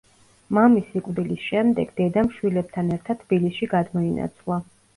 მამის სიკვდილის შემდეგ დედამ შვილებთან ერთად თბილისში გადმოინაცვლა.